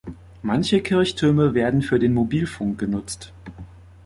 Manche Kirchtürme werden für den Mobilfunk genutzt.